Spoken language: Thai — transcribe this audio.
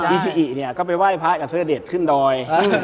ีซูอิเนี่ยก็ไปไหว้พระกับเสื้อเด็ดขึ้นดอย